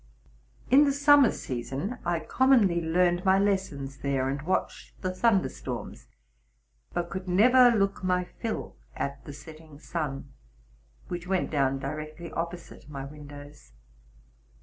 In the summer season I com monly learned my lessons there, and watched the thunder storms, but could never look my fill at. the setting sun, which went down directly opposite my windows.